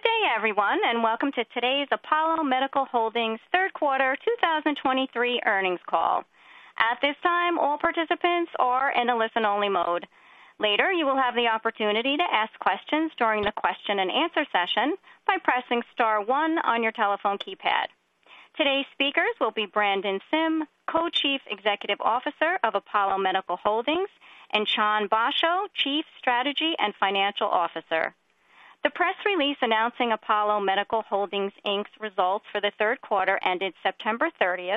Good day, everyone, and welcome to today's Apollo Medical Holdings Q3 2023 Earnings Call. At this time, all participants are in a listen-only mode. Later, you will have the opportunity to ask questions during the question and answer session by pressing star one on your telephone keypad. Today's speakers will be Brandon Sim, Co-Chief Executive Officer of Apollo Medical Holdings, and Chan Basho, Chief Strategy and Financial Officer. The press release announcing Apollo Medical Holdings Inc's results for the Q3 ended September 30,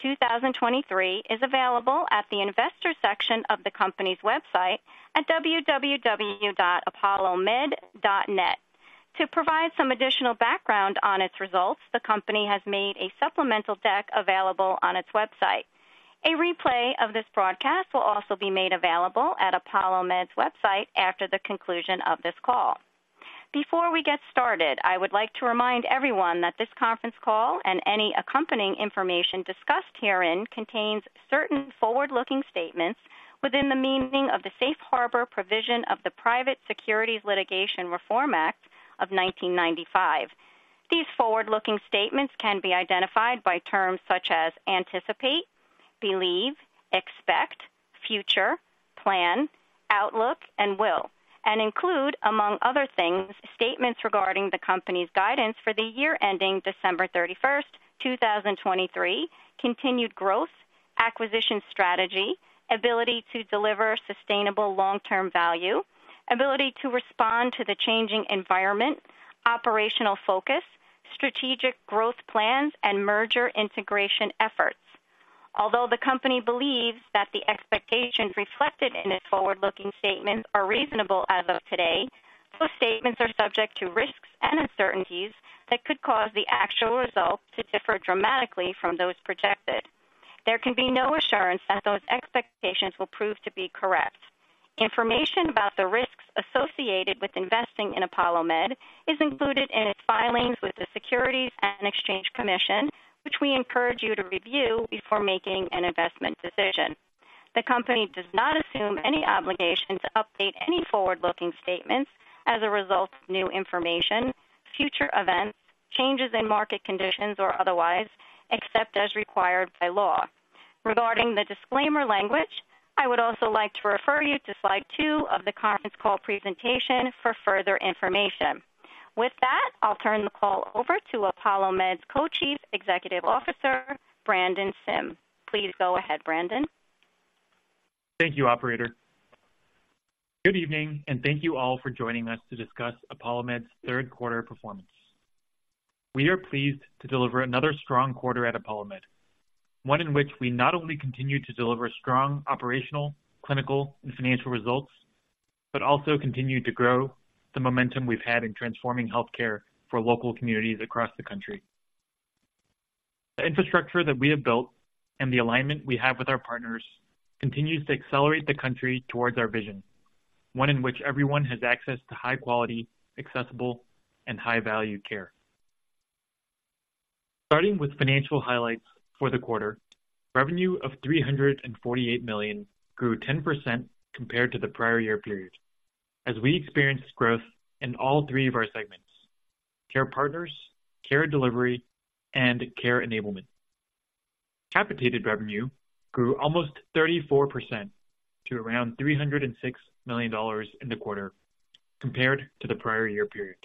2023, is available at the investor section of the company's website at www.apollomed.net. To provide some additional background on its results, the company has made a supplemental deck available on its website. A replay of this broadcast will also be made available at Apollo Med's website after the conclusion of this call. Before we get started, I would like to remind everyone that this conference call and any accompanying information discussed herein contains certain forward-looking statements within the meaning of the safe harbor provision of the Private Securities Litigation Reform Act of 1995. These forward-looking statements can be identified by terms such as anticipate, believe, expect, future, plan, outlook, and will, and include, among other things, statements regarding the company's guidance for the year ending December 31, 2023, continued growth, acquisition strategy, ability to deliver sustainable long-term value, ability to respond to the changing environment, operational focus, strategic growth plans, and merger integration efforts. Although the company believes that the expectations reflected in its forward-looking statements are reasonable as of today, those statements are subject to risks and uncertainties that could cause the actual results to differ dramatically from those projected. There can be no assurance that those expectations will prove to be correct. Information about the risks associated with investing in Apollo Med is included in its filings with the Securities and Exchange Commission, which we encourage you to review before making an investment decision. The company does not assume any obligation to update any forward-looking statements as a result of new information, future events, changes in market conditions, or otherwise, except as required by law. Regarding the disclaimer language, I would also like to refer you to slide two of the conference call presentation for further information. With that, I'll turn the call over to Apollo Med's Co-Chief Executive Officer, Brandon Sim. Please go ahead, Brandon. Thank you, operator. Good evening, and thank you all for joining us to discuss Apollo Med's Q3 performance. We are pleased to deliver another strong quarter at Apollo Med, one in which we not only continue to deliver strong operational, clinical, and financial results, but also continue to grow the momentum we've had in transforming healthcare for local communities across the country. The infrastructure that we have built and the alignment we have with our partners continues to accelerate the country towards our vision, one in which everyone has access to high quality, accessible, and high-value care. Starting with financial highlights for the quarter, revenue of $348 million grew 10% compared to the prior year period, as we experienced growth in all three of our segments: Care Partners, care delivery, and care enablement. Capitated revenue grew almost 34% to around $306 million in the quarter compared to the prior year period.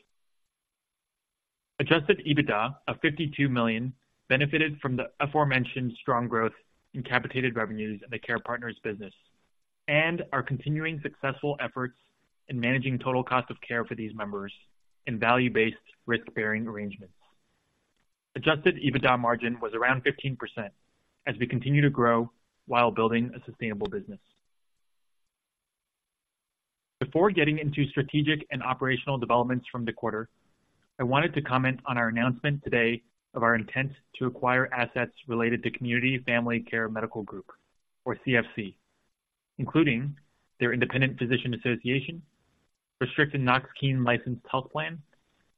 Adjusted EBITDA of $52 million benefited from the aforementioned strong growth in capitated revenues in the Care Partners business and our continuing successful efforts in managing total cost of care for these members in value-based risk-bearing arrangements. Adjusted EBITDA margin was around 15% as we continue to grow while building a sustainable business. Before getting into strategic and operational developments from the quarter, I wanted to comment on our announcement today of our intent to acquire assets related to Community Family Care Medical Group, or CFC, including their Independent Physician Association, restricted Knox-Keene licensed health plan,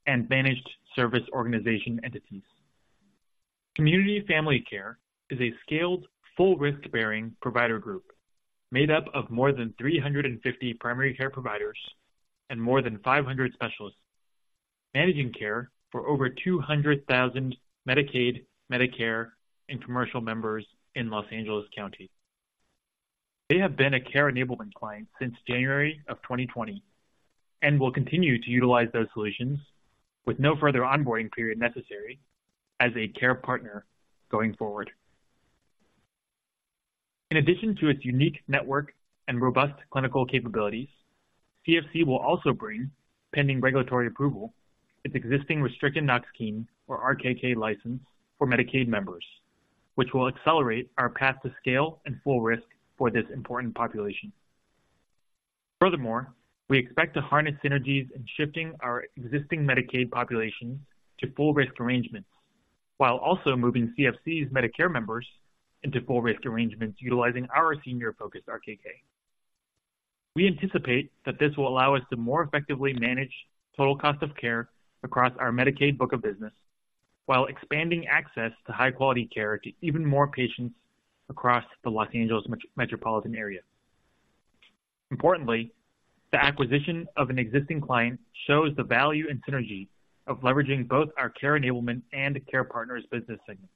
and Managed Service Organization entities. Community Family Care is a scaled, full risk-bearing provider group made up of more than 350 primary care providers and more than 500 specialists, managing care for over 200,000 Medicaid, Medicare, and commercial members in Los Angeles County. They have been a care enablement client since January of 2020 and will continue to utilize those solutions with no further onboarding period necessary as a care partner going forward. In addition to its unique network and robust clinical capabilities, CFC will also bring, pending regulatory approval, its existing Restricted Knox-Keene, or RKK license, for Medicaid members, which will accelerate our path to scale and full risk for this important population. Furthermore, we expect to harness synergies in shifting our existing Medicaid population to full risk arrangements, while also moving CFC's Medicare members into full risk arrangements utilizing our senior-focused RKK. We anticipate that this will allow us to more effectively manage total cost of care across our Medicaid book of business, while expanding access to high-quality care to even more patients across the Los Angeles metropolitan area. Importantly, the acquisition of an existing client shows the value and synergy of leveraging both our care enablement and care partners business segments,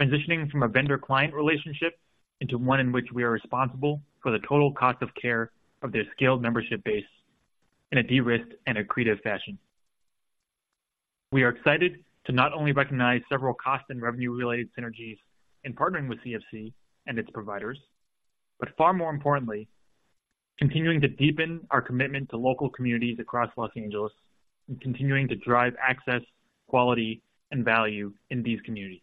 transitioning from a vendor-client relationship into one in which we are responsible for the total cost of care of their scaled membership base in a de-risked and accretive fashion. We are excited to not only recognize several cost and revenue-related synergies in partnering with CFC and its providers, but far more importantly, continuing to deepen our commitment to local communities across Los Angeles and continuing to drive access, quality, and value in these communities.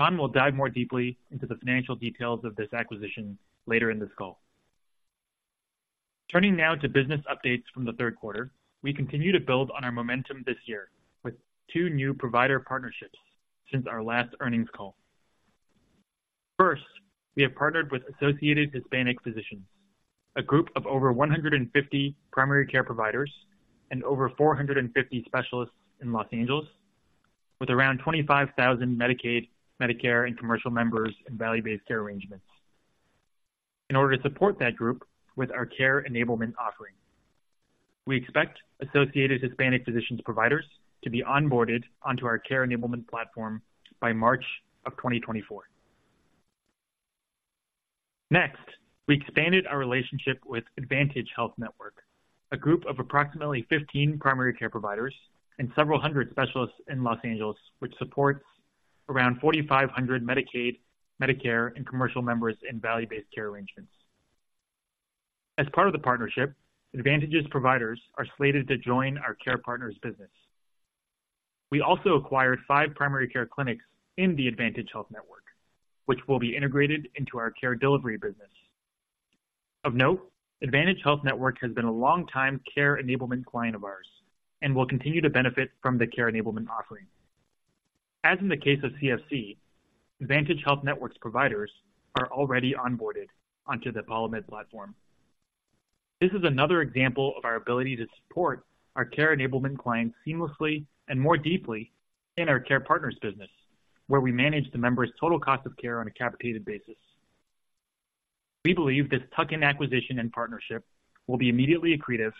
Chan will dive more deeply into the financial details of this acquisition later in this call. Turning now to business updates from the Q3, we continue to build on our momentum this year with two new provider partnerships since our last earnings call. First, we have partnered with Associated Hispanic Physicians, a group of over 150 primary care providers and over 450 specialists in Los Angeles, with around 25,000 Medicaid, Medicare, and commercial members in value-based care arrangements, in order to support that group with our care enablement offering. We expect Associated Hispanic Physicians providers to be onboarded onto our care enablement platform by March of 2024. Next, we expanded our relationship with Advantage Health Network, a group of approximately 15 primary care providers and several hundred specialists in Los Angeles, which supports around 4,500 Medicaid, Medicare, and commercial members in value-based care arrangements. As part of the partnership, Advantage's providers are slated to join our care partners business. We also acquired five primary care clinics in the Advantage Health Network, which will be integrated into our care delivery business. Of note, Advantage Health Network has been a long-time care enablement client of ours and will continue to benefit from the care enablement offering. As in the case of CFC, Advantage Health Network's providers are already onboarded onto the Apollo Med platform. This is another example of our ability to support our care enablement clients seamlessly and more deeply in our care partners business, where we manage the members' total cost of care on a capitated basis. We believe this tuck-in acquisition and partnership will be immediately accretive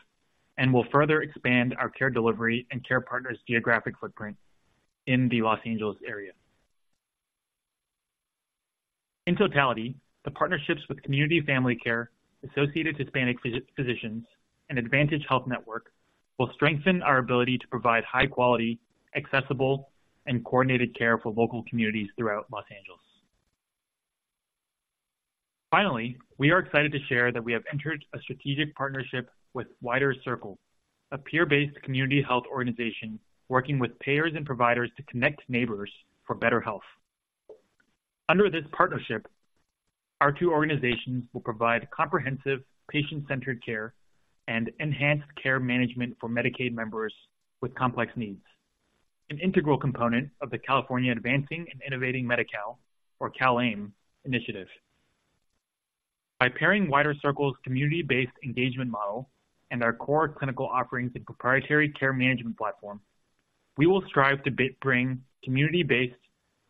and will further expand our care delivery and care partners' geographic footprint in the Los Angeles area. In totality, the partnerships with Community Family Care, Associated Hispanic Physicians, and Advantage Health Network will strengthen our ability to provide high quality, accessible, and coordinated care for local communities throughout Los Angeles. Finally, we are excited to share that we have entered a strategic partnership with Wider Circle, a peer-based community health organization working with payers and providers to connect neighbors for better health. Under this partnership, our two organizations will provide comprehensive, patient-centered care and enhanced care management for Medicaid members with complex needs, an integral component of the California Advancing and Innovating Medi-Cal, or CalAIM, initiative. By pairing Wider Circle's community-based engagement model and our core clinical offerings and proprietary care management platform, we will strive to bring community-based,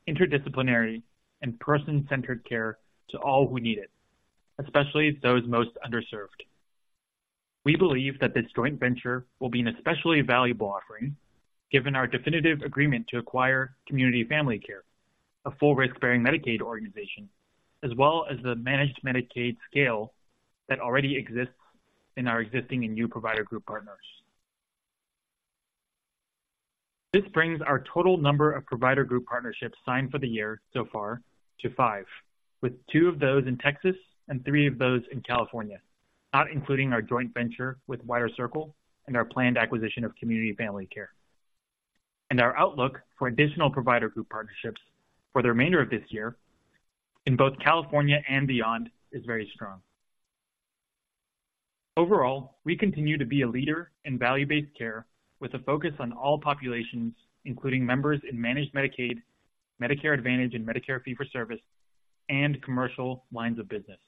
interdisciplinary, and person-centered care to all who need it, especially those most underserved. We believe that this joint venture will be an especially valuable offering, given our definitive agreement to acquire Community Family Care, a full risk-bearing Medicaid organization, as well as the managed Medicaid scale that already exists in our existing and new provider group partners. This brings our total number of provider group partnerships signed for the year so far to five, with two of those in Texas and three of those in California, not including our joint venture with Wider Circle and our planned acquisition of Community Family Care. Our outlook for additional provider group partnerships for the remainder of this year in both California and beyond is very strong. Overall, we continue to be a leader in value-based care with a focus on all populations, including members in Managed Medicaid, Medicare Advantage, and Medicare fee-for-service, and commercial lines of business.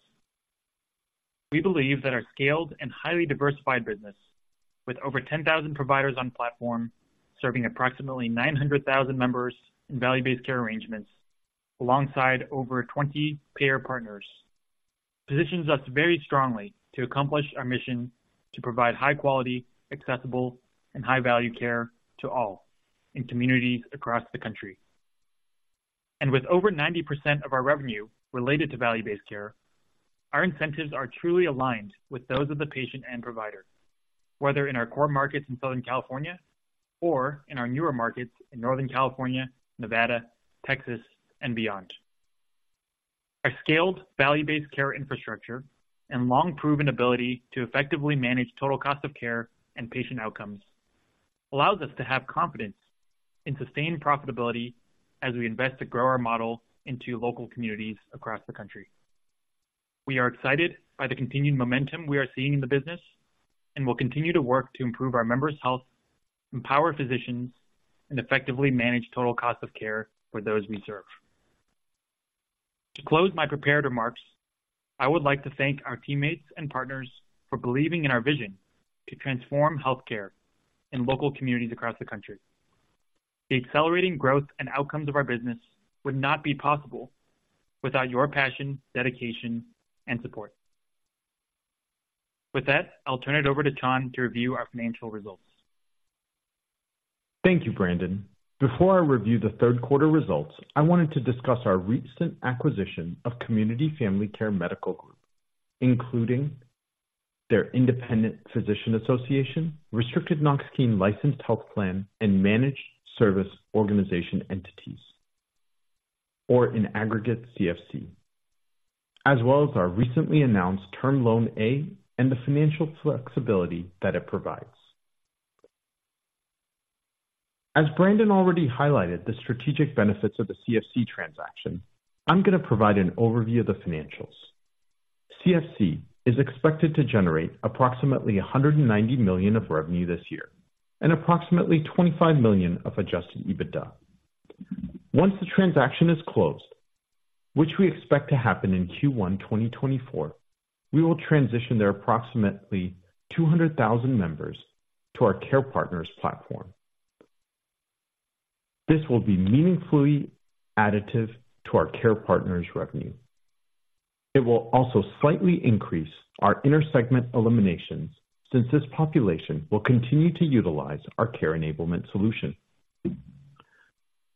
We believe that our scaled and highly diversified business, with over 10,000 providers on platform, serving approximately 900,000 members in value-based care arrangements, alongside over 20 payer partners, positions us very strongly to accomplish our mission to provide high quality, accessible, and high-value care to all in communities across the country. With over 90% of our revenue related to value-based care, our incentives are truly aligned with those of the patient and provider, whether in our core markets in Southern California or in our newer markets in Northern California, Nevada, Texas, and beyond. Our scaled, value-based care infrastructure and long-proven ability to effectively manage total cost of care and patient outcomes allows us to have confidence in sustained profitability as we invest to grow our model into local communities across the country. We are excited by the continued momentum we are seeing in the business and will continue to work to improve our members' health, empower physicians, and effectively manage total cost of care for those we serve. To close my prepared remarks, I would like to thank our teammates and partners for believing in our vision to transform healthcare in local communities across the country.... The accelerating growth and outcomes of our business would not be possible without your passion, dedication, and support. With that, I'll turn it over to Chan to review our financial results. Thank you, Brandon. Before I review the Q3 results, I wanted to discuss our recent acquisition of Community Family Care Medical Group, including their independent physician association, restricted Knox-Keene licensed health plan, and managed service organization entities, or in aggregate CFC, as well as our recently announced Term Loan A and the financial flexibility that it provides. As Brandon already highlighted the strategic benefits of the CFC transaction, I'm gonna provide an overview of the financials. CFC is expected to generate approximately $190 million of revenue this year and approximately $25 million of Adjusted EBITDA. Once the transaction is closed, which we expect to happen in Q1 2024, we will transition their approximately 200,000 members to our Care Partners platform. This will be meaningfully additive to our Care Partners' revenue. It will also slightly increase our inter-segment eliminations since this population will continue to utilize our care enablement solution.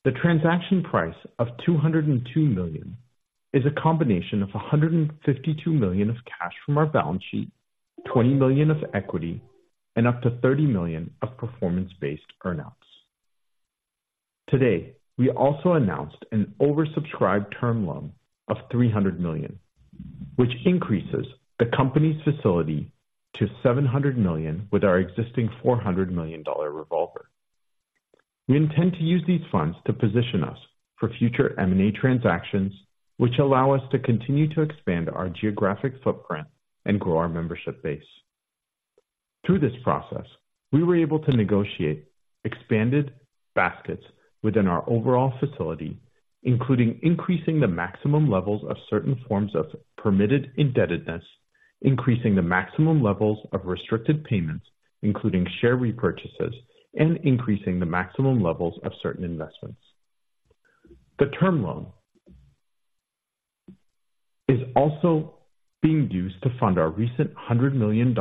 The transaction price of $202 million is a combination of $152 million of cash from our balance sheet, $20 million of equity, and up to $30 million of performance-based earnouts. Today, we also announced an oversubscribed term loan of $300 million, which increases the company's facility to $700 million with our existing $400 million revolver. We intend to use these funds to position us for future M&A transactions, which allow us to continue to expand our geographic footprint and grow our membership base. Through this process, we were able to negotiate expanded baskets within our overall facility, including increasing the maximum levels of certain forms of permitted indebtedness, increasing the maximum levels of restricted payments, including share repurchases, and increasing the maximum levels of certain investments. The term loan is also being used to fund our recent $100 million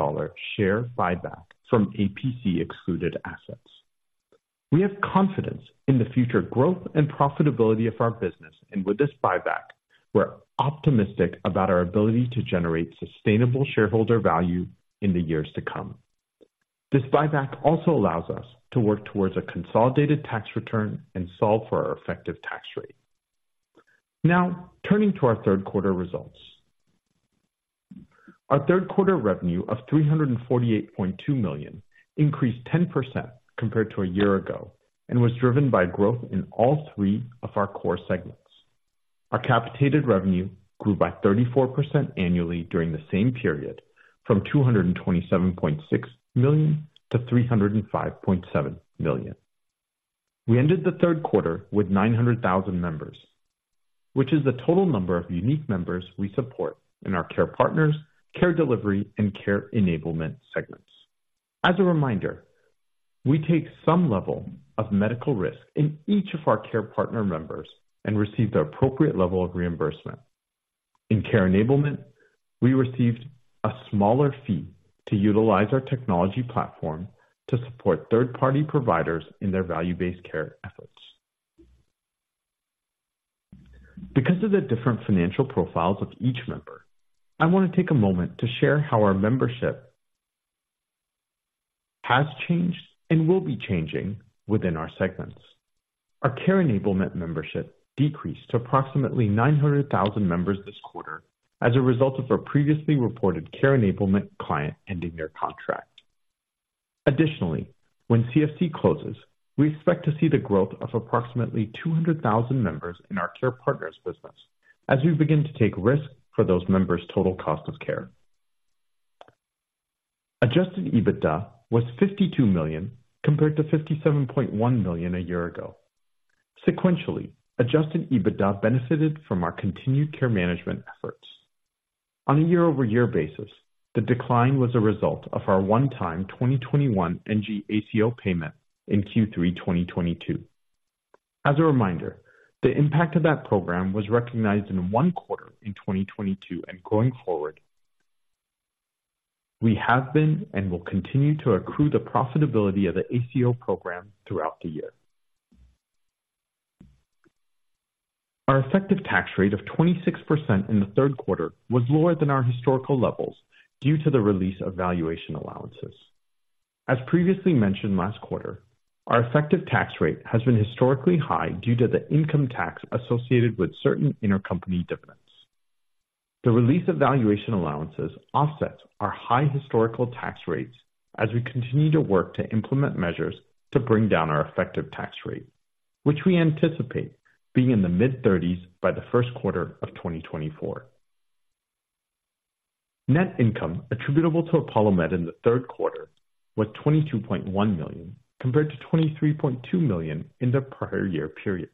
share buyback from APC excluded assets. We have confidence in the future growth and profitability of our business, and with this buyback, we're optimistic about our ability to generate sustainable shareholder value in the years to come. This buyback also allows us to work towards a consolidated tax return and solve for our effective tax rate. Now, turning to our Q3 results. Our Q3 revenue of $348.2 million increased 10% compared to a year ago and was driven by growth in all three of our core segments. Our capitated revenue grew by 34% annually during the same period, from $227.6 million to $305.7 million. We ended the Q3 with 900,000 members, which is the total number of unique members we support in our care partners, care delivery, and care enablement segments. As a reminder, we take some level of medical risk in each of our care partner members and receive the appropriate level of reimbursement. In care enablement, we received a smaller fee to utilize our technology platform to support third-party providers in their value-based care efforts. Because of the different financial profiles of each member, I want to take a moment to share how our membership has changed and will be changing within our segments. Our care enablement membership decreased to approximately 900,000 members this quarter as a result of our previously reported care enablement client ending their contract. Additionally, when CFC closes, we expect to see the growth of approximately 200,000 members in our care partners business as we begin to take risk for those members' total cost of care. Adjusted EBITDA was $52 million, compared to $57.1 million a year ago. Sequentially, adjusted EBITDA benefited from our continued care management efforts. On a year-over-year basis, the decline was a result of our one-time 2021 NG ACO payment in Q3 2022. As a reminder, the impact of that program was recognized in one quarter in 2022, and going forward, we have been and will continue to accrue the profitability of the ACO program throughout the year. Our effective tax rate of 26% in the Q3 was lower than our historical levels due to the release of valuation allowances. As previously mentioned last quarter, our effective tax rate has been historically high due to the income tax associated with certain intercompany dividends. The release of valuation allowances offsets our high historical tax rates as we continue to work to implement measures to bring down our effective tax rate, which we anticipate being in the mid-30s% by the Q1 of 2024. Net income attributable to Apollo Med in the Q3 was $22.1 million, compared to $23.2 million in the prior year period.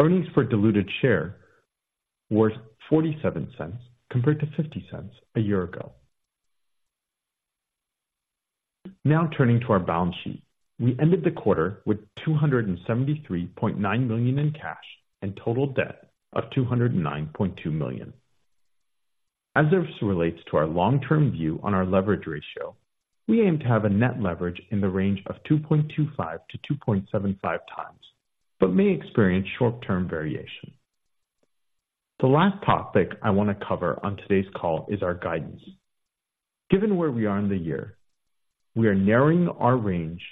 Earnings per diluted share were $0.47, compared to $0.50 a year ago. Now turning to our balance sheet. We ended the quarter with $273.9 million in cash and total debt of $209.2 million. As this relates to our long-term view on our leverage ratio, we aim to have a net leverage in the range of 2.25-2.75 times, but may experience short-term variation. The last topic I want to cover on today's call is our guidance. Given where we are in the year, we are narrowing our range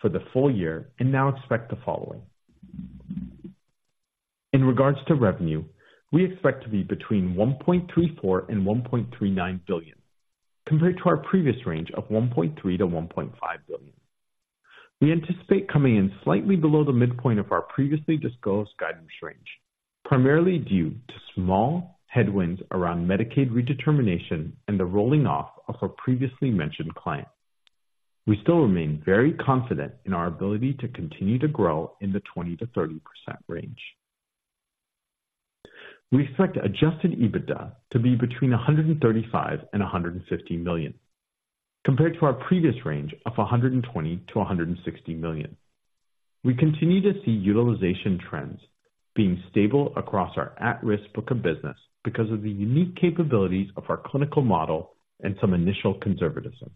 for the full year and now expect the following: In regards to revenue, we expect to be between $1.34 billion-$1.39 billion, compared to our previous range of $1.3 billion-$1.5 billion. We anticipate coming in slightly below the midpoint of our previously disclosed guidance range, primarily due to small headwinds around Medicaid redetermination and the rolling off of our previously mentioned client. We still remain very confident in our ability to continue to grow in the 20%-30% range. We expect adjusted EBITDA to be between $135 million and $150 million, compared to our previous range of $120 million to $160 million. We continue to see utilization trends being stable across our at-risk book of business because of the unique capabilities of our clinical model and some initial conservatism.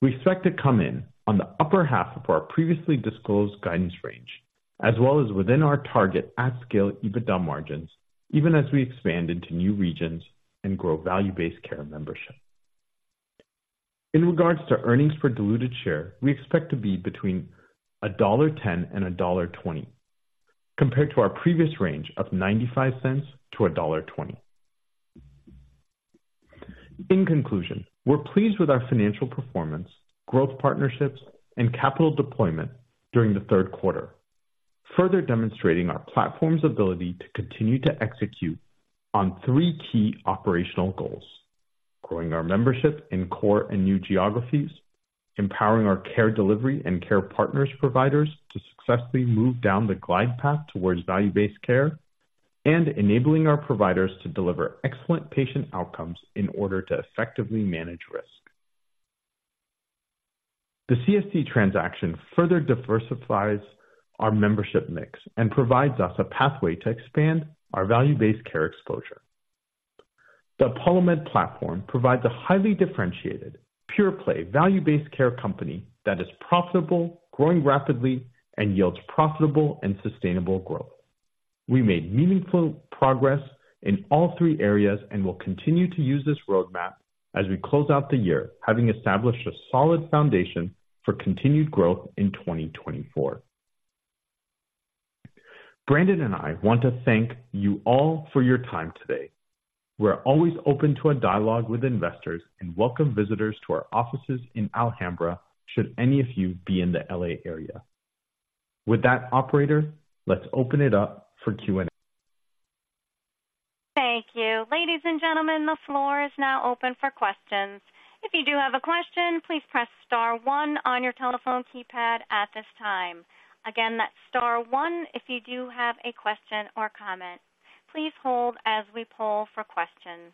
We expect to come in on the upper half of our previously disclosed guidance range, as well as within our target at-scale EBITDA margins, even as we expand into new regions and grow value-based care membership. In regards to earnings per diluted share, we expect to be between $1.10 and $1.20, compared to our previous range of $0.95-$1.20. In conclusion, we're pleased with our financial performance, growth partnerships, and capital deployment during the Q3, further demonstrating our platform's ability to continue to execute on three key operational goals: growing our membership in core and new geographies, empowering our care delivery and care partners providers to successfully move down the glide path towards value-based care, and enabling our providers to deliver excellent patient outcomes in order to effectively manage risk. The CFC transaction further diversifies our membership mix and provides us a pathway to expand our value-based care exposure. The Apollo Med platform provides a highly differentiated, pure-play, value-based care company that is profitable, growing rapidly, and yields profitable and sustainable growth. We made meaningful progress in all three areas and will continue to use this roadmap as we close out the year, having established a solid foundation for continued growth in 2024. Brandon and I want to thank you all for your time today. We're always open to a dialogue with investors and welcome visitors to our offices in Alhambra, should any of you be in the L.A. area. With that, operator, let's open it up for Q&A. Thank you. Ladies and gentlemen, the floor is now open for questions. If you do have a question, please press star one on your telephone keypad at this time. Again, that's star one if you do have a question or comment. Please hold as we poll for questions.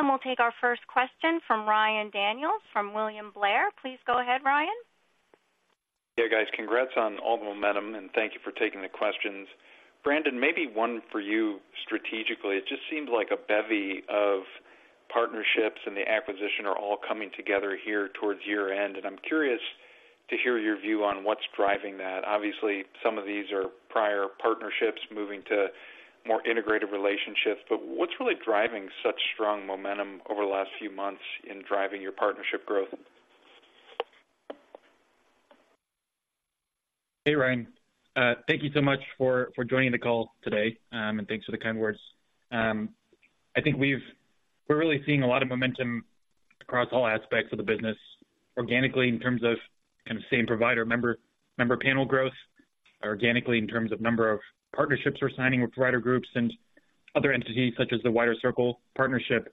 And we'll take our first question from Ryan Daniels, from William Blair. Please go ahead, Ryan. Yeah, guys, congrats on all the momentum, and thank you for taking the questions. Brandon, maybe one for you strategically. It just seemed like a bevy of partnerships and the acquisition are all coming together here towards year-end, and I'm curious to hear your view on what's driving that. Obviously, some of these are prior partnerships moving to more integrated relationships, but what's really driving such strong momentum over the last few months in driving your partnership growth? Hey, Ryan, thank you so much for joining the call today, and thanks for the kind words. I think we've, we're really seeing a lot of momentum across all aspects of the business, organically, in terms of kind of same provider member panel growth, organically, in terms of number of partnerships we're signing with provider groups and other entities, such as the Wider Circle partnership,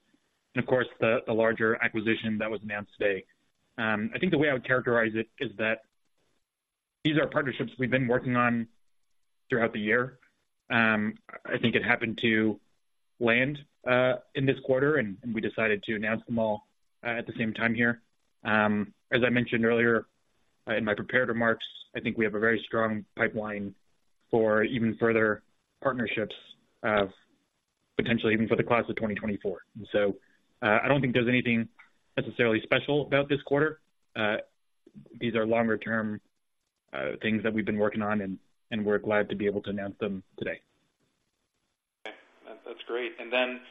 and of course, the larger acquisition that was announced today. I think the way I would characterize it is that these are partnerships we've been working on throughout the year. I think it happened to land in this quarter, and we decided to announce them all at the same time here. As I mentioned earlier, in my prepared remarks, I think we have a very strong pipeline for even further partnerships, potentially even for the class of 2024. And so, I don't think there's anything necessarily special about this quarter. These are longer-term things that we've been working on, and we're glad to be able to announce them today. Okay. That's great. And then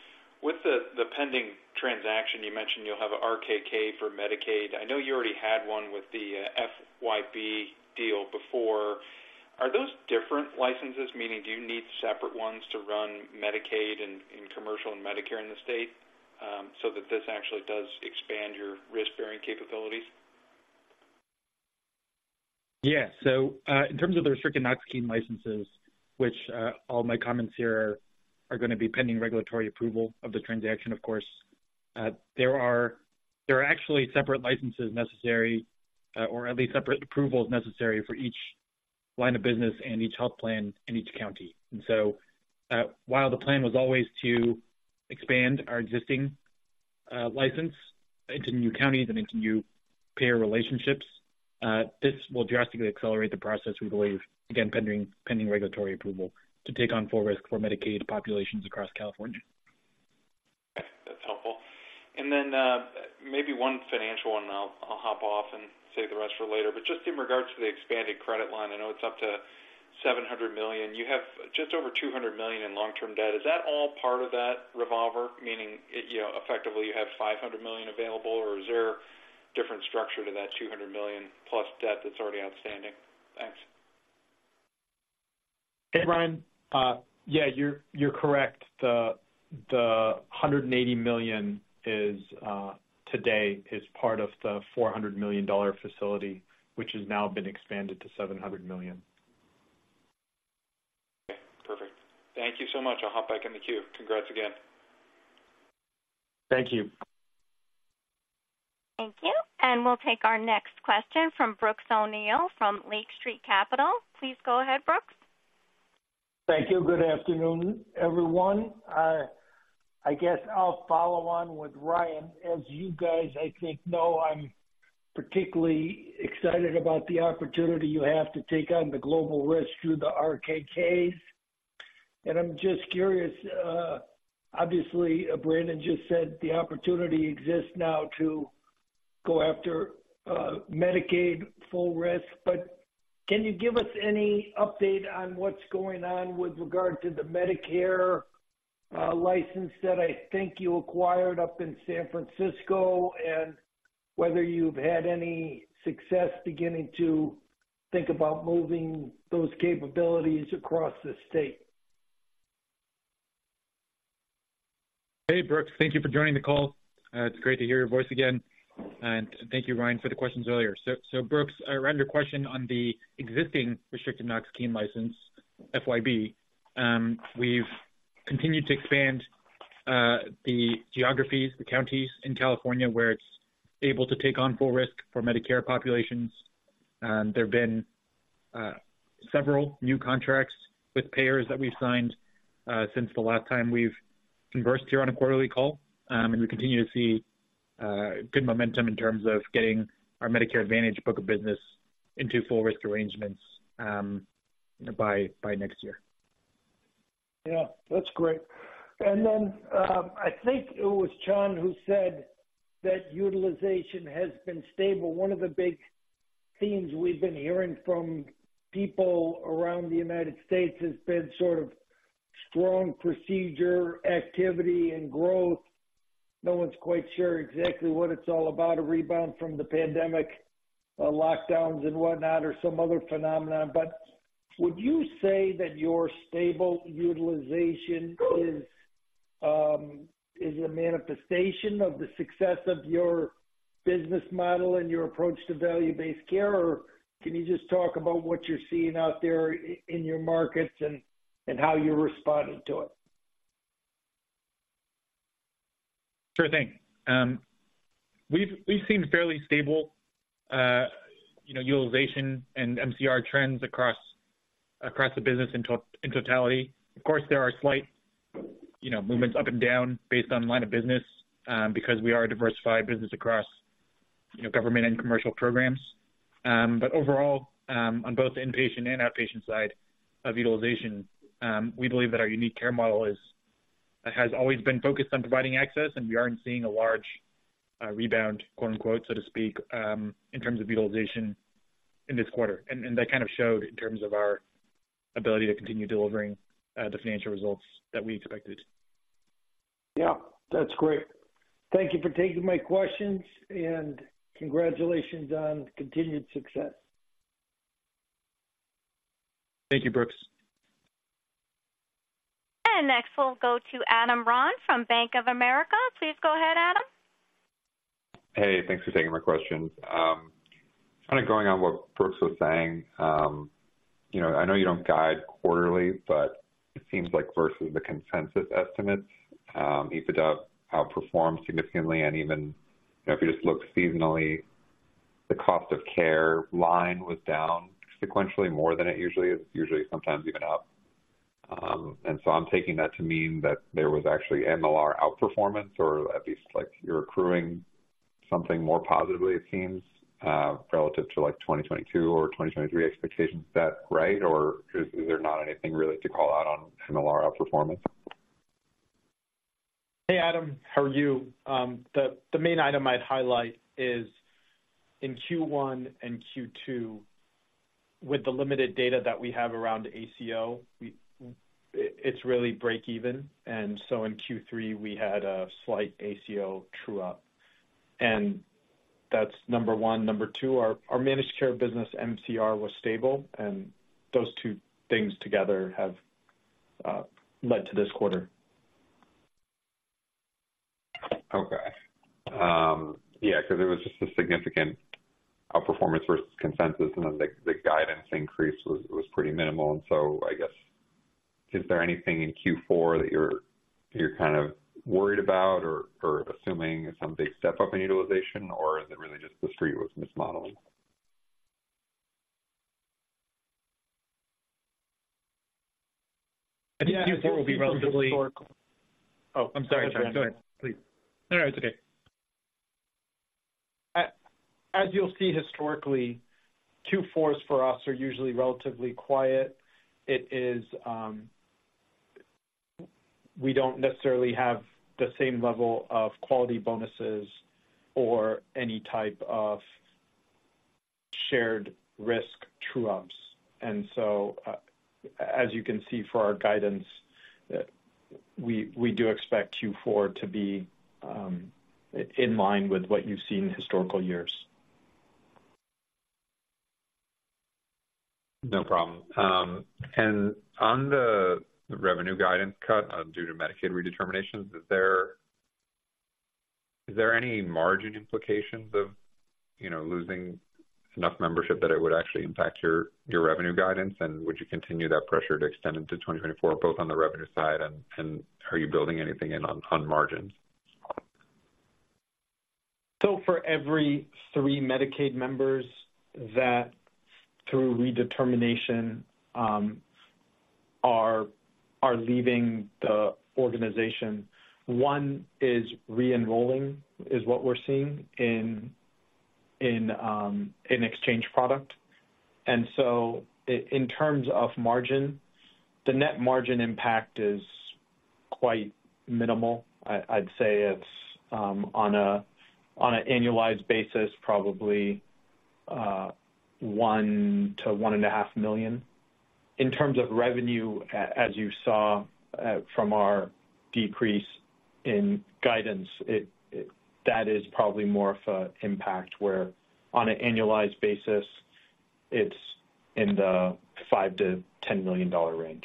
with the pending transaction, you mentioned you'll have RKK for Medicaid. I know you already had one with the FYB deal before. Are those different licenses? Meaning, do you need separate ones to run Medicaid and commercial and Medicare in the state, so that this actually does expand your risk-bearing capabilities? Yeah. So, in terms of the restricted Knox-Keene licenses, which all my comments here are gonna be pending regulatory approval of the transaction, of course, there are actually separate licenses necessary or at least separate approvals necessary for each line of business and each health plan in each county. And so, while the plan was always to expand our existing license into new counties and into new payer relationships, this will drastically accelerate the process, we believe, again, pending regulatory approval, to take on full risk for Medicaid populations across California. That's helpful. And then, maybe one financial one, and I'll, I'll hop off and save the rest for later. But just in regards to the expanded credit line, I know it's up to $700 million. You have just over $200 million in long-term debt. Is that all part of that revolver? Meaning, you know, effectively you have $500 million available, or is there a different structure to that $200 million plus debt that's already outstanding? Thanks. Hey, Ryan. Yeah, you're correct. The $180 million is today part of the $400 million facility, which has now been expanded to $700 million. Okay, perfect. Thank you so much. I'll hop back in the queue. Congrats again. Thank you. Thank you. And we'll take our next question from Brooks O'Neil from Lake Street Capital. Please go ahead, Brooks. Thank you. Good afternoon, everyone. I guess I'll follow on with Ryan. As you guys, I think know, I'm particularly excited about the opportunity you have to take on the global risk through the RKKs. And I'm just curious, obviously, Brandon just said the opportunity exists now to go after Medicaid full risk, but can you give us any update on what's going on with regard to the Medicare license that I think you acquired up in San Francisco, and whether you've had any success beginning to think about moving those capabilities across the state? Hey, Brooks, thank you for joining the call. It's great to hear your voice again. And thank you, Ryan, for the questions earlier. So, Brooks, around your question on the existing restricted Knox-Keene license, we've continued to expand the geographies, the counties in California, where it's able to take on full risk for Medicare populations. There have been several new contracts with payers that we've signed since the last time we've conversed here on a quarterly call. And we continue to see good momentum in terms of getting our Medicare Advantage book of business into full risk arrangements by next year. Yeah, that's great. And then, I think it was Chan who said that utilization has been stable. One of the big themes we've been hearing from people around the United States has been sort of strong procedure activity and growth. No one's quite sure exactly what it's all about, a rebound from the pandemic, lockdowns and whatnot, or some other phenomenon. But would you say that your stable utilization is a manifestation of the success of your business model and your approach to value-based care? Or can you just talk about what you're seeing out there in your markets and how you responded to it? Sure thing. We've seen fairly stable, you know, utilization and MCR trends across the business in totality. Of course, there are slight, you know, movements up and down based on line of business, because we are a diversified business across, you know, government and commercial programs. But overall, on both the inpatient and outpatient side of utilization, we believe that our unique care model has always been focused on providing access, and we aren't seeing a large “rebound,” quote-unquote, so to speak, in terms of utilization in this quarter. And that kind of showed in terms of our ability to continue delivering the financial results that we expected. Yeah, that's great. Thank you for taking my questions, and congratulations on continued success. Thank you, Brooks. Next, we'll go to Adam Ron from Bank of America. Please go ahead, Adam. Hey, thanks for taking my questions. Kind of going on what Brooks was saying, you know, I know you don't guide quarterly, but it seems like versus the consensus estimates, EBITDA outperformed significantly. And even if you just look seasonally, the cost of care line was down sequentially more than it usually is, usually sometimes even up. And so I'm taking that to mean that there was actually MLR outperformance, or at least like you're accruing something more positively, it seems, relative to, like, 2022 or 2023 expectations. Is that right, or is there not anything really to call out on MLR outperformance? Hey, Adam, how are you? The main item I'd highlight is in Q1 and Q2, with the limited data that we have around ACO, it's really break even, and so in Q3, we had a slight ACO true up, and that's number one. Number two, our managed care business, MCR, was stable, and those two things together have led to this quarter. Okay. Yeah, because it was just a significant outperformance versus consensus, and then the guidance increase was pretty minimal. And so I guess... Is there anything in Q4 that you're kind of worried about or assuming some big step up in utilization? Or is it really just the street was mismodeling? I think Q4 will be relatively Oh, I'm sorry, Chan. Go ahead, please. No, no, it's okay. As you'll see historically, Q4s for us are usually relatively quiet. It is, we don't necessarily have the same level of quality bonuses or any type of shared risk true-ups. So, as you can see for our guidance, we do expect Q4 to be in line with what you've seen in historical years. No problem. And on the revenue guidance cut, due to Medicaid redeterminations, is there, is there any margin implications of, you know, losing enough membership that it would actually impact your, your revenue guidance? And would you continue that pressure to extend into 2024, both on the revenue side and, and are you building anything in on, on margins? So for every 3 Medicaid members that, through Redetermination, are leaving the organization, 1 is re-enrolling, is what we're seeing in exchange product. And so in terms of margin, the net margin impact is quite minimal. I'd say it's on an annualized basis, probably $1-$1.5 million. In terms of revenue, as you saw from our decrease in guidance, it that is probably more of an impact where on an annualized basis, it's in the $5-$10 million range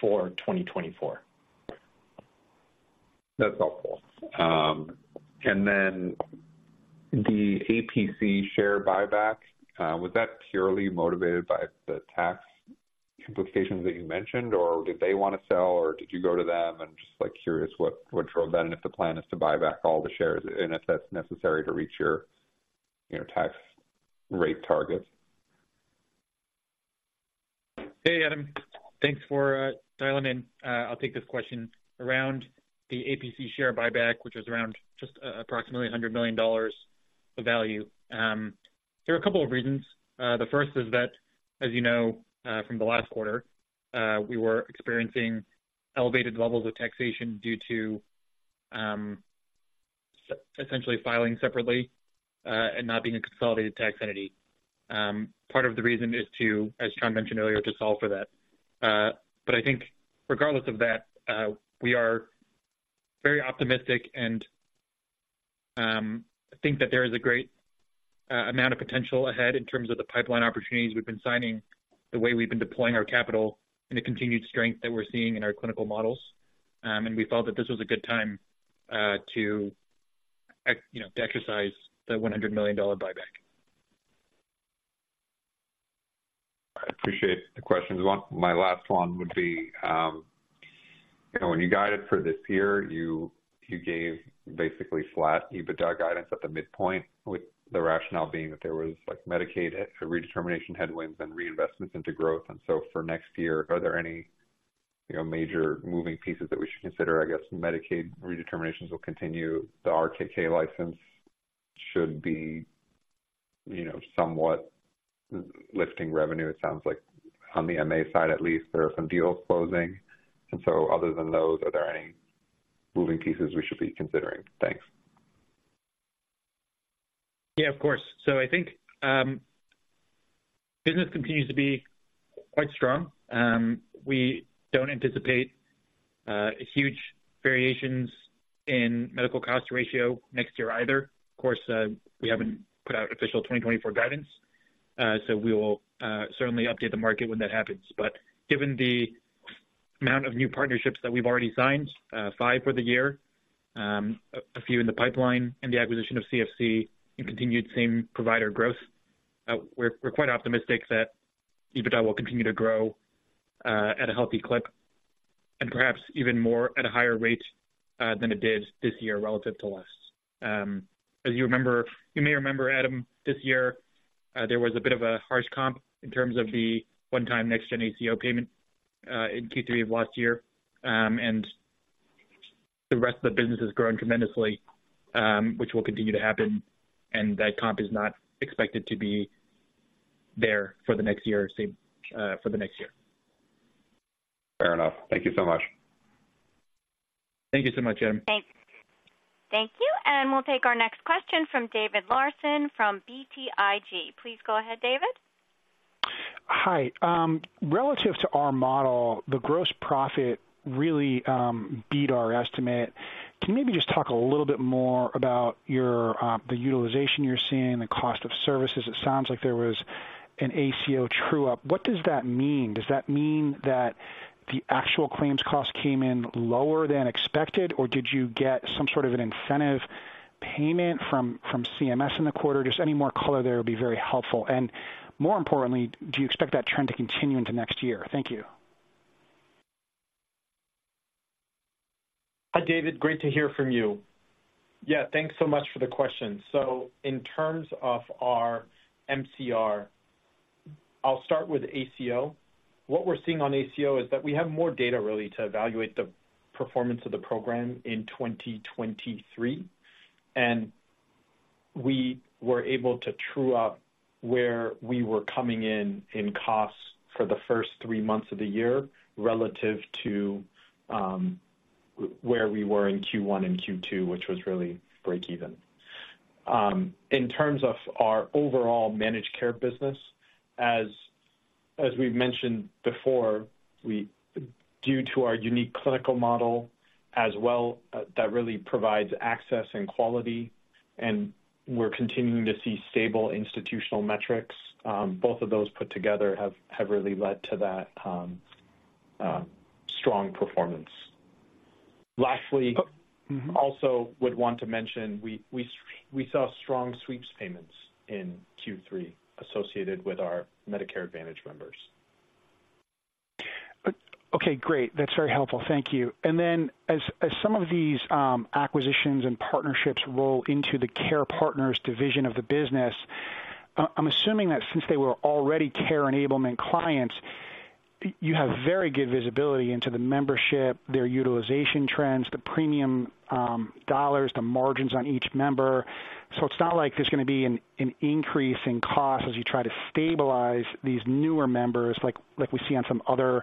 for 2024. That's helpful. And then the APC share buyback was that purely motivated by the tax implications that you mentioned, or did they want to sell, or did you go to them? I'm just, like, curious what, what drove that, and if the plan is to buy back all the shares and if that's necessary to reach your, you know, tax rate targets. Hey, Adam, thanks for dialing in. I'll take this question. Around the APC share buyback, which is around just approximately $100 million of value. There are a couple of reasons. The first is that, as you know, from the last quarter, we were experiencing elevated levels of taxation due to essentially filing separately and not being a consolidated tax entity. Part of the reason is to, as Chan mentioned earlier, to solve for that. But I think regardless of that, we are very optimistic and I think that there is a great amount of potential ahead in terms of the pipeline opportunities we've been signing, the way we've been deploying our capital, and the continued strength that we're seeing in our clinical models. We felt that this was a good time, you know, to exercise the $100 million buyback. I appreciate the questions. One, my last one would be, you know, when you guided for this year, you, you gave basically flat EBITDA guidance at the midpoint, with the rationale being that there was, like, Medicaid redetermination headwinds and reinvestments into growth. And so for next year, are there any, you know, major moving pieces that we should consider? I guess Medicaid redeterminations will continue. The RKK license should be, you know, somewhat lifting revenue. It sounds like on the MA side, at least, there are some deals closing. And so other than those, are there any moving pieces we should be considering? Thanks. Yeah, of course. So I think, business continues to be quite strong. We don't anticipate huge variations in medical cost ratio next year either. Of course, we haven't put out official 2024 guidance, so we will certainly update the market when that happens. But given the amount of new partnerships that we've already signed, 5 for the year, a few in the pipeline and the acquisition of CFC and continued same provider growth, we're quite optimistic that EBITDA will continue to grow at a healthy clip and perhaps even more at a higher rate than it did this year relative to last. As you may remember, Adam, this year, there was a bit of a harsh comp in terms of the one-time next gen ACO payment in Q3 of last year. The rest of the business has grown tremendously, which will continue to happen, and that comp is not expected to be there for the next year, same for the next year. Fair enough. Thank you so much. Thank you so much, Adam. Thanks. Thank you, and we'll take our next question from David Larsen from BTIG. Please go ahead, David. Hi. Relative to our model, the gross profit really beat our estimate. Can you maybe just talk a little bit more about your, the utilization you're seeing, the cost of services? It sounds like there was an ACO true up. What does that mean? Does that mean that the actual claims cost came in lower than expected, or did you get some sort of an incentive payment from CMS in the quarter? Just any more color there will be very helpful. And more importantly, do you expect that trend to continue into next year? Thank you. Hi, David. Great to hear from you. Yeah, thanks so much for the question. So in terms of our MCR, I'll start with ACO. What we're seeing on ACO is that we have more data really, to evaluate the performance of the program in 2023, and we were able to true up where we were coming in in costs for the first three months of the year relative to where we were in Q1 and Q2, which was really break even. In terms of our overall managed care business, as we've mentioned before, due to our unique clinical model as well, that really provides access and quality, and we're continuing to see stable institutional metrics. Both of those put together have really led to that strong performance. Lastly, also would want to mention, we saw strong sweeps payments in Q3 associated with our Medicare Advantage members. Okay, great. That's very helpful. Thank you. And then some of these acquisitions and partnerships roll into the care partners division of the business, I'm assuming that since they were already care enablement clients, you have very good visibility into the membership, their utilization trends, the premium dollars, the margins on each member. So it's not like there's gonna be an increase in cost as you try to stabilize these newer members, like, like we see on some other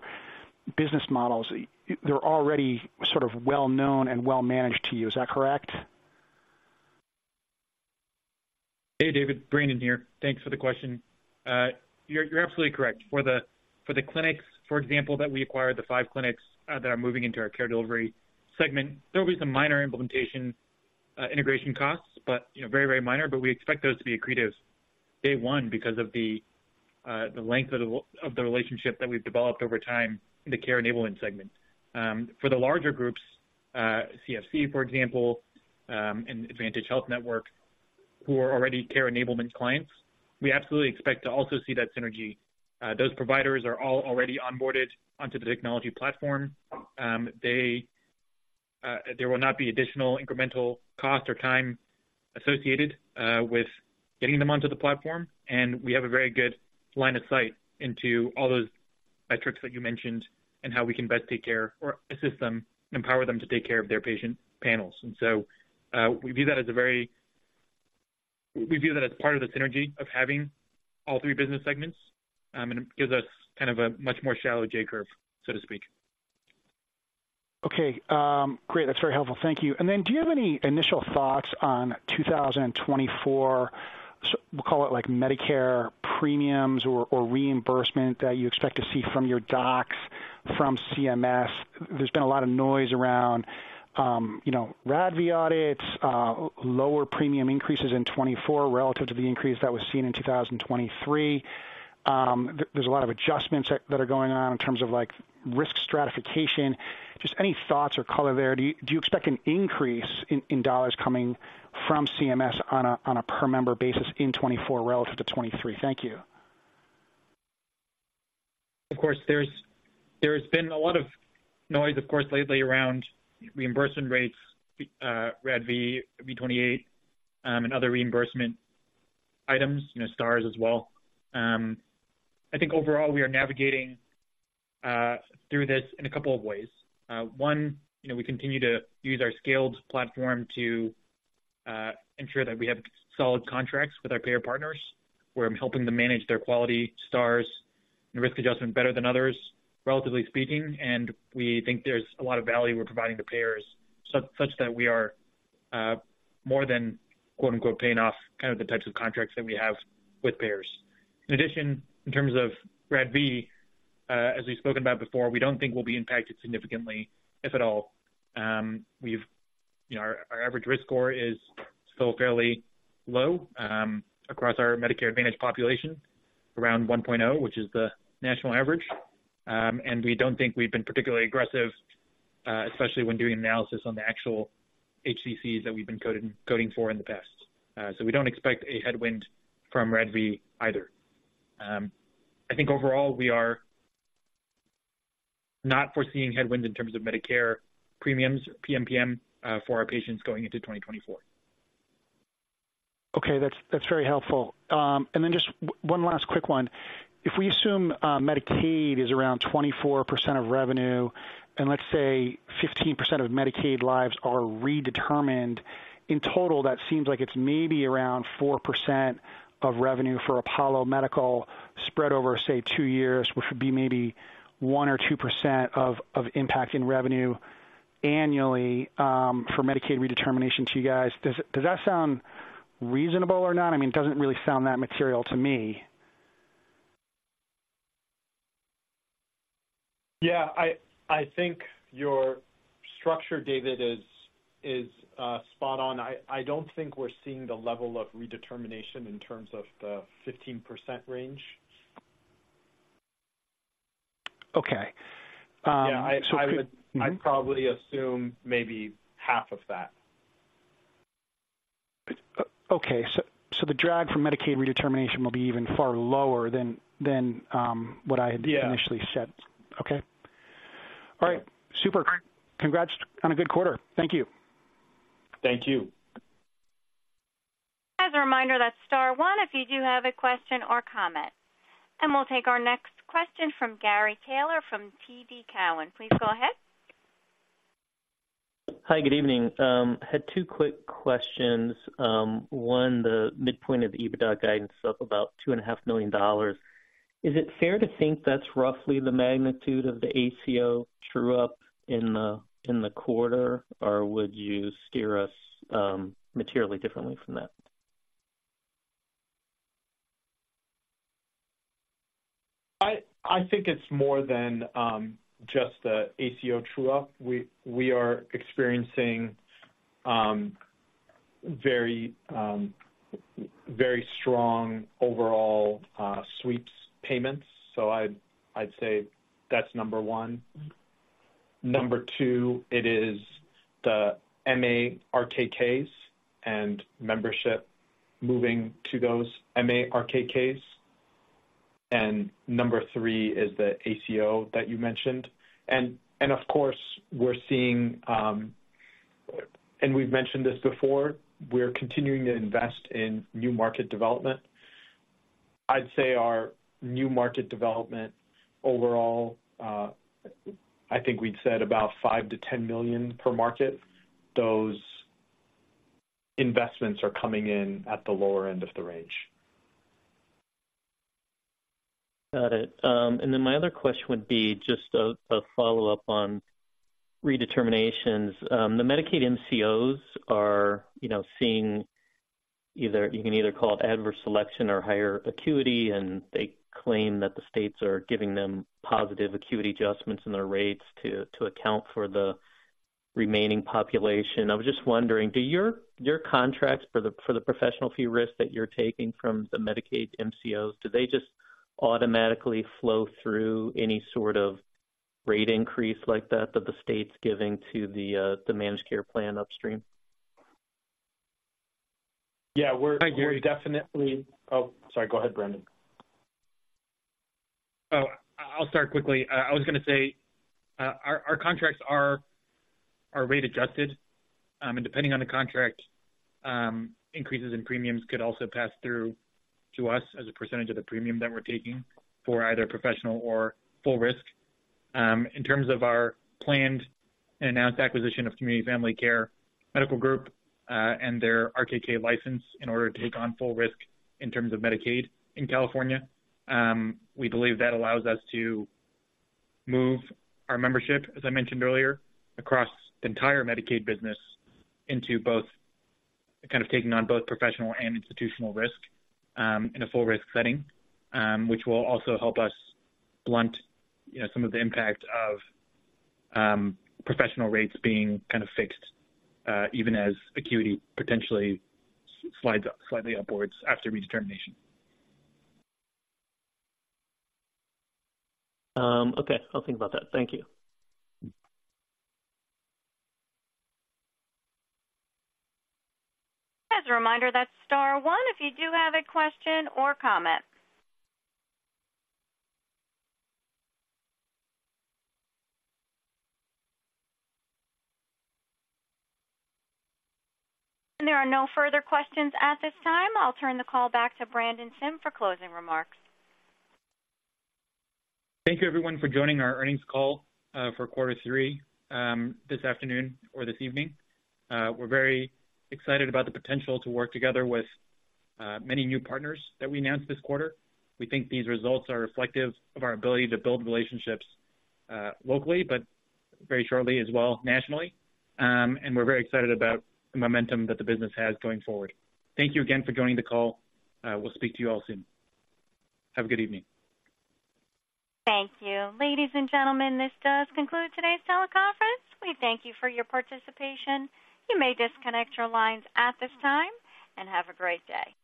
business models. They're already sort of well known and well managed to you. Is that correct? Hey, David. Brandon here. Thanks for the question. You're absolutely correct. For the clinics, for example, that we acquired, the five clinics that are moving into our care delivery segment, there will be some minor implementation integration costs, but you know, very, very minor. But we expect those to be accretive day one because of the length of the relationship that we've developed over time in the care enablement segment. For the larger groups, CFC, for example, and Advantage Health Network, who are already care enablement clients, we absolutely expect to also see that synergy. Those providers are all already onboarded onto the technology platform. They... There will not be additional incremental cost or time associated with getting them onto the platform, and we have a very good line of sight into all those metrics that you mentioned and how we can best take care or assist them, empower them to take care of their patient panels. And so, we view that as part of the synergy of having all three business segments, and it gives us kind of a much more shallow J-curve, so to speak. Okay, great. That's very helpful. Thank you. And then, do you have any initial thoughts on 2024? So we'll call it like Medicare premiums or reimbursement that you expect to see from your docs, from CMS. There's been a lot of noise around, you know, RADV audits, lower premium increases in 2024 relative to the increase that was seen in 2023. There's a lot of adjustments that are going on in terms of, like, risk stratification. Just any thoughts or color there. Do you expect an increase in dollars coming from CMS on a per member basis in 2024 relative to 2023? Thank you. Of course, there's, there's been a lot of noise, of course, lately around reimbursement rates, RADV, V28, and other reimbursement items, you know, Stars as well. I think overall, we are navigating through this in a couple of ways. One, you know, we continue to use our scaled platform to ensure that we have solid contracts with our payer partners, where I'm helping them manage their quality Stars and risk adjustment better than others, relatively speaking, and we think there's a lot of value we're providing to payers, such that we are more than, quote, unquote, "paying off" kind of the types of contracts that we have with payers. In addition, in terms of RADV, as we've spoken about before, we don't think we'll be impacted significantly, if at all. We've, you know, our average risk score is still fairly low across our Medicare Advantage population, around 1.0, which is the national average. We don't think we've been particularly aggressive, especially when doing analysis on the actual HCCs that we've been coding for in the past. We don't expect a headwind from RADV either. I think overall, we are not foreseeing headwinds in terms of Medicare premiums, PMPM, for our patients going into 2024. Okay, that's, that's very helpful. And then just one last quick one. If we assume Medicaid is around 24% of revenue, and let's say 15% of Medicaid lives are redetermined, in total, that seems like it's maybe around 4% of revenue for Apollo Medical spread over, say, two years, which would be maybe 1% or 2% of impact in revenue annually, for Medicaid redetermination to you guys. Does that sound reasonable or not? I mean, it doesn't really sound that material to me. Yeah, I think your structure, David, is spot on. I don't think we're seeing the level of redetermination in terms of the 15% range.... Okay. Yeah, I would, I'd probably assume maybe half of that. Okay. So the drag from Medicaid redetermination will be even far lower than what I had- Yeah. Okay. All right. Super. Congrats on a good quarter. Thank you. Thank you. As a reminder, that's star one if you do have a question or comment. We'll take our next question from Gary Taylor from TD Cowen. Please go ahead. Hi, good evening. Had two quick questions. One, the midpoint of the EBITDA guidance of about $2.5 million. Is it fair to think that's roughly the magnitude of the ACO true-up in the quarter? Or would you steer us materially differently from that? I think it's more than just the ACO true-up. We are experiencing very very strong overall sweeps payments. So I'd say that's number one. Number two, it is the MA RKKs and membership moving to those MA RKKs. And number three is the ACO that you mentioned. And of course, we're seeing and we've mentioned this before, we're continuing to invest in new market development. I'd say our new market development overall, I think we'd said about $5 million-$10 million per market. Those investments are coming in at the lower end of the range. Got it. And then my other question would be just a follow-up on redeterminations. The Medicaid MCOs are, you know, seeing either, you can either call it adverse selection or higher acuity, and they claim that the states are giving them positive acuity adjustments in their rates to account for the remaining population. I was just wondering, do your contracts for the professional fee risk that you're taking from the Medicaid MCOs, do they just automatically flow through any sort of rate increase like that, that the state's giving to the managed care plan upstream? Yeah, we're Hi, Gary. We're definitely... Oh, sorry, go ahead, Brandon. I'll start quickly. I was going to say, our contracts are rate adjusted, and depending on the contract, increases in premiums could also pass through to us as a percentage of the premium that we're taking for either professional or full risk. In terms of our planned and announced acquisition of Community Family Care Medical Group and their RKK license in order to take on full risk in terms of Medicaid in California, we believe that allows us to move our membership, as I mentioned earlier, across the entire Medicaid business into both, kind of, taking on both professional and institutional risk, which will also help us blunt, you know, some of the impact of professional rates being kind of fixed, even as acuity potentially slides up slightly upwards after Redetermination. Okay, I'll think about that. Thank you. As a reminder, that's star one if you do have a question or comment. There are no further questions at this time. I'll turn the call back to Brandon Sim for closing remarks. Thank you, everyone, for joining our Earnings Call for quarter three this afternoon or this evening. We're very excited about the potential to work together with many new partners that we announced this quarter. We think these results are reflective of our ability to build relationships locally, but very shortly as well, nationally. And we're very excited about the momentum that the business has going forward. Thank you again for joining the call. We'll speak to you all soon. Have a good evening. Thank you. Ladies and gentlemen, this does conclude today's teleconference. We thank you for your participation. You may disconnect your lines at this time, and have a great day.